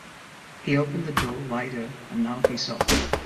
He opened the door wider, and now he saw.